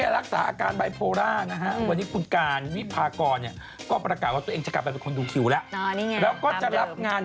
ว่าแบบว่ามีคนมาให้บอกแสงว่าเออแบบว่า